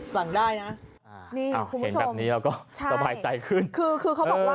หนึ่งครับนี้งเห็นแบบนี้เราก็สบายใจขึ้น